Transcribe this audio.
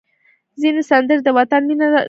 ځینې سندرې د وطن مینه راژوندۍ کوي.